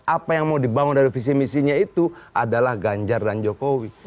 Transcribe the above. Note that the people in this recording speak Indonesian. apa yang mau dibangun dari visi misinya itu adalah ganjar dan jokowi